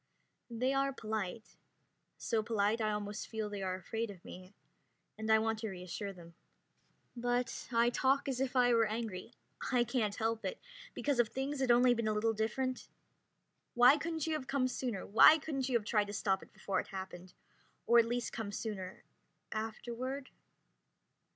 They are polite, so polite I almost feel they are afraid of me, and I want to reassure them. But I talk as if I were angry. I can't help it, because if things had only been a little different ... "Why couldn't you have come sooner? Why couldn't you have tried to stop it before it happened, or at least come sooner, afterward...?"